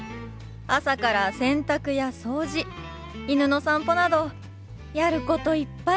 朝から洗濯や掃除犬の散歩などやることいっぱいで。